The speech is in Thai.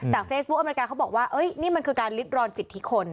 แต่เฟซบุ๊คอเมริกาเขาบอกว่านี่มันคือการลิดรอนสิทธิคน